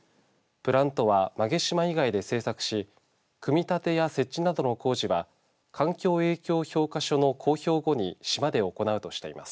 プラントは馬毛島以外で製作し組み立てや設置などの工事は環境影響評価書の公表後に島で行うとしています。